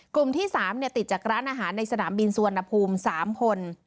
กลุ่มที่๓ติดจากร้านอาหารในสนามบินสุวรรณภูมิ๓คน